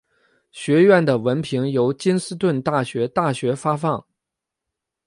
学院的文凭由金斯顿大学大学发放。